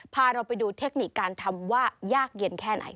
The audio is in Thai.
พาเราไปดูเทคนิคการทำว่ายากเย็นแค่ไหน